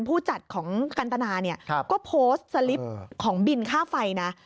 ผู้จัดของกันตนาเนี่ยก็โพสต์สลิปของบินค่าไฟนะ